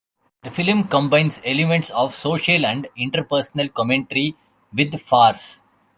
The film combines elements of social and interpersonal commentary with farce.